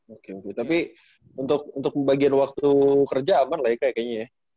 oke oke tapi untuk bagian waktu kerja aman lah ya kak ya kayaknya ya